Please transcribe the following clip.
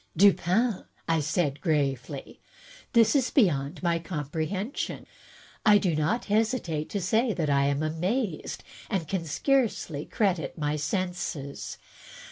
"Dupin,'* said I gravely, "this is beyond my comprehension. I do not hesitate to say that I am amazed, and can scarcely credit my senses.